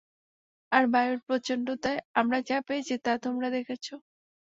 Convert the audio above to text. আর বায়ুর প্রচণ্ডতায় আমরা যা পেয়েছি তা তোমরা দেখছো।